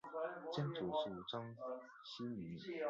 曾祖父章希明。